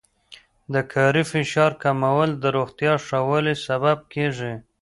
د کاري فشار کمول د روغتیا ښه والي سبب کېږي.